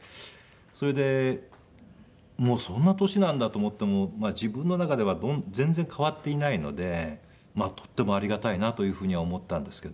それでもうそんな年なんだと思っても自分の中では全然変わっていないのでとてもありがたいなというふうには思ったんですけど。